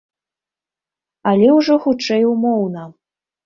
Але ўжо, хутчэй, умоўна.